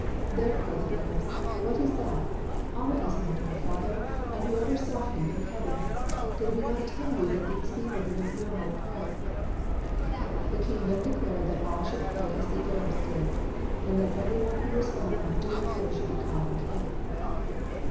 "There," cried the Arabs, "what is that? Allah is not our Father, and who ever saw him in heaven? Did we not tell you that these people do not know how to pray?" The king then decreed that all should pray as the Arabs did, and that every one who was found not doing so should be caught and killed.